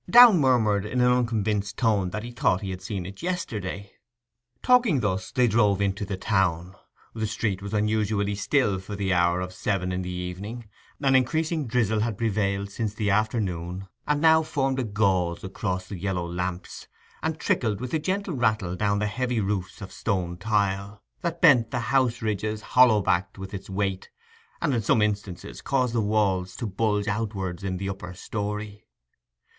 Downe murmured in an unconvinced tone that he thought he had seen it yesterday. Talking thus they drove into the town. The street was unusually still for the hour of seven in the evening; an increasing drizzle had prevailed since the afternoon, and now formed a gauze across the yellow lamps, and trickled with a gentle rattle down the heavy roofs of stone tile, that bent the house ridges hollow backed with its weight, and in some instances caused the walls to bulge outwards in the upper story.